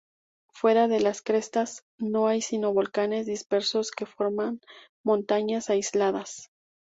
Fuera de las crestas no hay sino volcanes dispersos que forman montañas aisladas.